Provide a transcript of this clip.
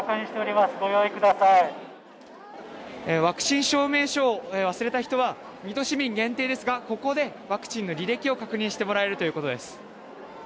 ワクチン証明書を忘れた人は水戸市民限定ですが、ここでワクチンの履歴を確認してもらえるということです。